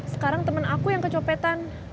sekarang temen aku yang kecopetan